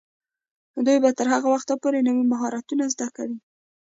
دوی به تر هغه وخته پورې نوي مهارتونه زده کوي.